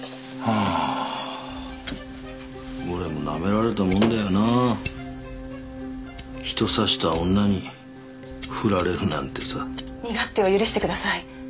俺もなめられたもんだよな人刺した女にふられるなんてさ身勝手を許してください